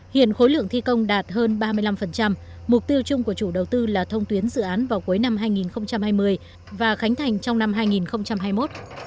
hiện khối lượng thi công đạt hơn ba mươi năm mục tiêu chung của chủ đầu tư là thông tuyến dự án vào cuối năm hai nghìn hai mươi và khánh thành trong năm hai nghìn hai mươi một